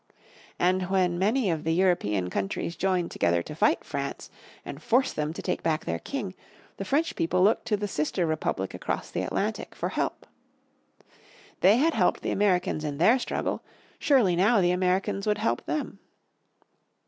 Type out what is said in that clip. And when many of the European countries joined together to fight France, and force them to take back their king, the French people looked to the sister Republic across the Atlantic for help. They had helped the Americans in their struggle, surely now the Americans would help them.